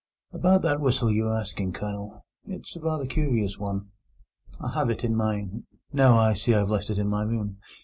"About that whistle you were asking, Colonel. It's rather a curious one. I have it in my—No; I see I've left it in my room.